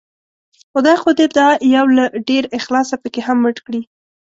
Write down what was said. خدای خو دې دا يو له ډېر اخلاصه پکې هم مړ کړي